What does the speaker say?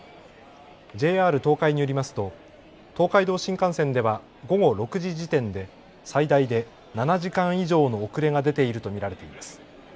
ＪＲ東海によりますと東海道新幹線では午後６時時点で最大で７時間以上の遅れが出ていると見られています。